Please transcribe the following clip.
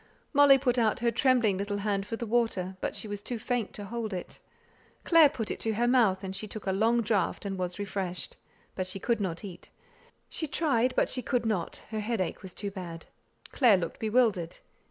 Molly put out her trembling little hand for the water; but she was too faint to hold it. Clare put it to her mouth, and she took a long draught and was refreshed. But she could not eat; she tried, but she could not; her headache was too bad. Clare looked bewildered.